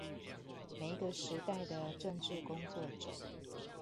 每一個時代的政治工作者